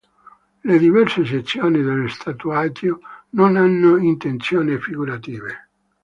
Le diverse sezioni del tatuaggio non hanno intenzioni figurative.